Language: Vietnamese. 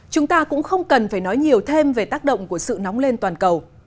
chúng ta cũng không cần phải nói nhiều thêm về tác động của sự nóng lên toàn cầu